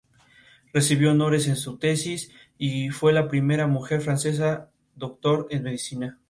Recibió honores en su tesis y fue la primera mujer francesa Doctor en Medicina.